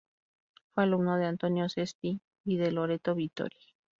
Fue alumno de Antonio Cesti y de Loreto Vittori.